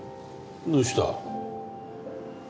どうした？